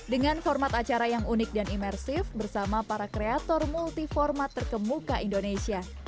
dengan format acara yang unik dan imersif bersama para kreator multi format terkemuka indonesia